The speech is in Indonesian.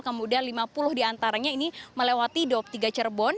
kemudian lima puluh di antaranya ini melewati daob tiga cerbon